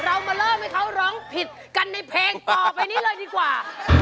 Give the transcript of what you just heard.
เรามาเริ่มให้เขาร้องผิดกันในเพลงต่อไปนี้เลยดีกว่า